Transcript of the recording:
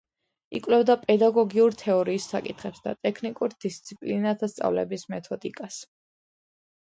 იკვლევდა პედაგოგიურ თეორიის საკითხებს და ტექნიკურ დისციპლინათა სწავლების მეთოდიკას.